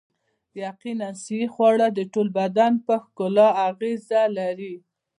یقیناً صحي خواړه د ټول بدن په ښکلا اغیزه لري